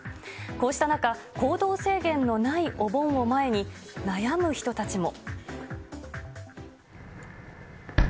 こうした中、行動制限のないお盆を前に、悩む人たちも。